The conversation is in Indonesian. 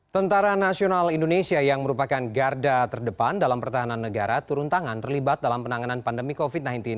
tentara nasional indonesia yang merupakan garda terdepan dalam pertahanan negara turun tangan terlibat dalam penanganan pandemi covid sembilan belas